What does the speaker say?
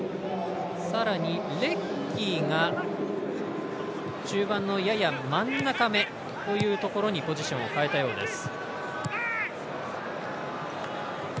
さらにレッキーが中盤のやや真ん中目というところにポジションを変えたようです。